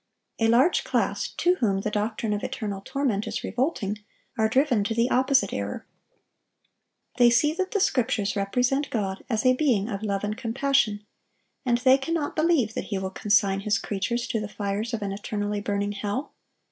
A large class to whom the doctrine of eternal torment is revolting, are driven to the opposite error. They see that the Scriptures represent God as a being of love and compassion, and they cannot believe that He will consign His creatures to the fires of an eternally burning hell.